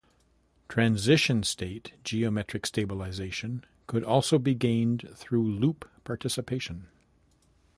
Transition-state geometric stabilization could also be gained through loop participation.